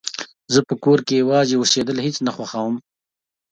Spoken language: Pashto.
زه په کور کې يوازې اوسيدل هيڅ نه خوښوم